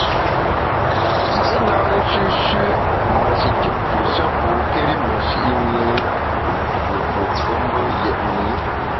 Me na nshüshü’ mashikitfu sha pokéri meshi’ mi mfù’ fu pe mbe yetni.